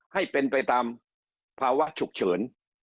ให้เป็นไปตามภาวะฉุกเฉิน